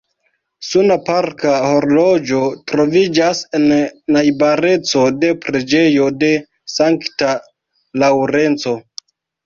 Suna parka horloĝo troviĝas en najbareco de preĝejo de sankta Laŭrenco.